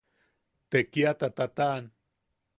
Tekiata tataʼan.